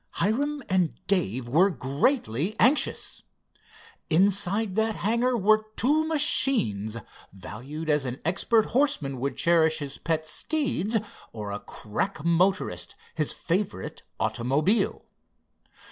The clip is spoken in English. Hiram and Dave were greatly anxious. Inside that hangar were two machines valued as an expert horseman would cherish his pet steeds, or a crack motorist his favorite automobile.